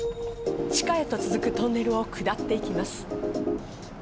地下へと続くトンネルを下っていきます。